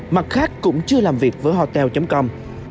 mặt khác cũng chưa làm việc với hotel com